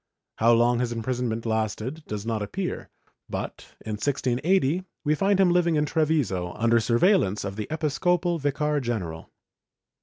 How long his imprisonment lasted does not appear but, in 1680, we find him living in Treviso, under sm'veillance of the episcopal vicar general.